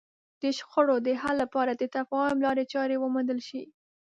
د شخړو د حل لپاره د تفاهم لارې چارې وموندل شي.